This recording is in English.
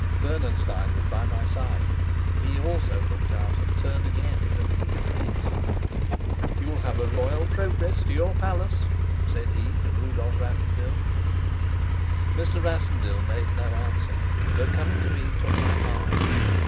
Bernenstein was by my side; he also looked out, and turned again with an eager face. "You'll have a royal progress to your palace," said he to Rudolf Rassendyll. Mr. Rassendyll made no answer, but, coming to me, took my arm.